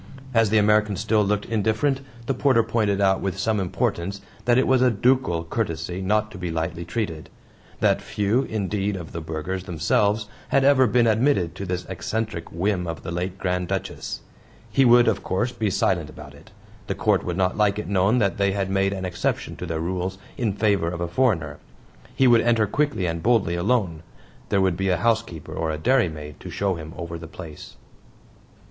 As the American still looked indifferent the porter pointed out with some importance that it was a Ducal courtesy not to be lightly treated; that few, indeed, of the burghers themselves had ever been admitted to this eccentric whim of the late Grand Duchess. He would, of course, be silent about it; the Court would not like it known that they had made an exception to their rules in favor of a foreigner; he would enter quickly and boldly alone. There would be a housekeeper or a dairymaid to show him over the place.